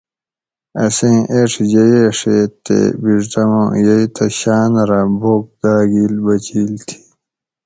اسیں ایڄ ییہ ڛیت تے بِڛدمو یئی تہ شاۤن رہ بوک داگیل بچیل تھی